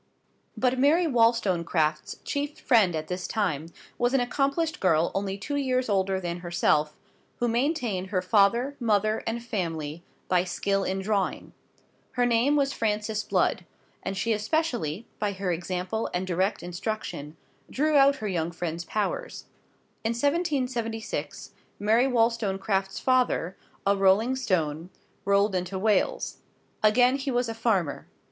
But Mary Wollstonecraft's chief friend at this time was an accomplished girl only two years older than herself, who maintained her father, mother, and family by skill in drawing. Her name was Frances Blood, and she especially, by her example and direct instruction, drew out her young friend's powers. In 1776, Mary Wollstonecraft's father, a rolling stone, rolled into Wales. Again he was a farmer.